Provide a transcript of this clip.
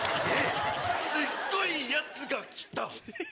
すっごいやつが来た。